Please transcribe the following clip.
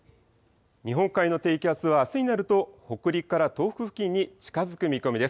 日本海の低気圧はあすになると北陸から東北付近に近づく見込みです。